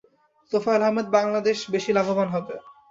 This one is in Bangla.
তোফায়েল আহমেদ বাংলাদেশ বেশি লাভবান হবে।